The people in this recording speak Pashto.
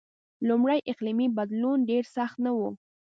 لومړی اقلیمی بدلون ډېر سخت نه و.